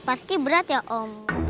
pasti berat ya om